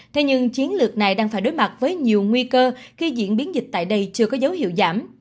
thế nhưng chiến lược này đang phải đối mặt với nhiều nguy cơ khi diễn biến dịch tại đây chưa có dấu hiệu giảm